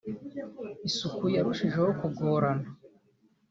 isuku yarushijeho kugorana